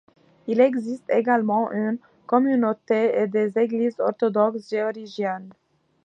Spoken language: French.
Il existe également une communauté et des églises orthodoxes géorgiennes.